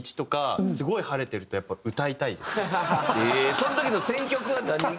その時の選曲は何？